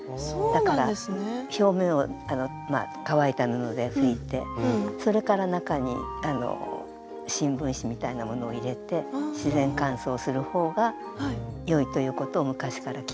だから表面は乾いた布で拭いてそれから中にあの新聞紙みたいなものを入れて自然乾燥する方がよいということを昔から聞いております。